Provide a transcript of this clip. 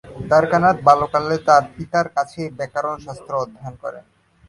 দ্বারকানাথ বাল্যকালে তার পিতার কাছেই ব্যাকরণ শাস্ত্র অধ্যয়ন করেন।